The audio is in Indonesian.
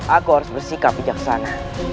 aku harus bersikap bijaksana